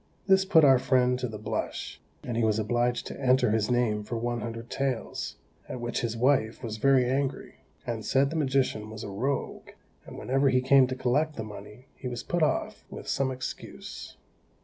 This put our friend to the blush, and he was obliged to enter his name for one hundred taels, at which his wife was very angry, and said the magician was a rogue, and whenever he came to collect the money he was put off with some excuse.